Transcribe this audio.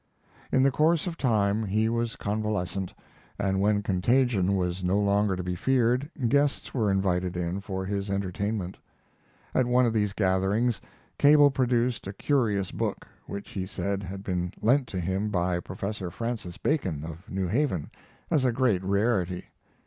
In the course of time he was convalescent, and when contagion was no longer to be feared guests were invited in for his entertainment. At one of these gatherings, Cable produced a curious book, which he said had been lent to him by Prof. Francis Bacon, of New Haven, as a great rarity.